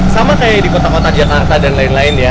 sama kayak di kota kota jakarta dan lain lain ya